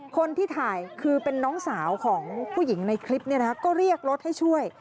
คนที่ถ่ายคือเป็นน้องสาวของผู้หญิงในคลิปก็เรียกรถให้ช่วย